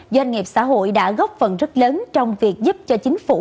doanh nghiệp xã hội đã góp phần rất lớn trong việc giúp cho chính phủ